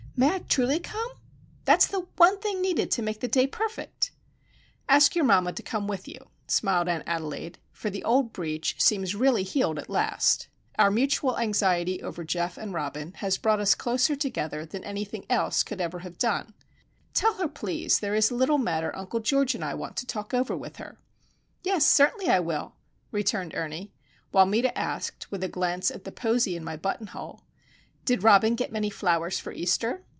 "May I truly come? That's the one thing needed to make the day perfect!" "Ask your mamma to come with you," smiled Aunt Adelaide;—for the old breach seems really healed at last. Our mutual anxiety over Geof and Robin has brought us closer together than anything else could ever have done. "Tell her please that there is a little matter Uncle George and I want to talk over with her." "Yes; certainly I will," returned Ernie; while Meta asked, with a glance at the posy in my button hole: "Did Robin get many flowers for Easter?"